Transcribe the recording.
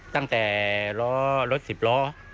ตั้งแต่รถ๑๐ล้อ